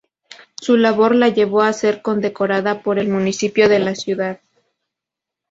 Su labor la llevó a ser condecorada por el municipio de la ciudad.